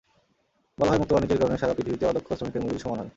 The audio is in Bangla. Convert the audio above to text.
বলা হয়, মুক্ত বাণিজ্যের কারণে সারা পৃথিবীতেই অদক্ষ শ্রমিকের মজুরি সমান হয়।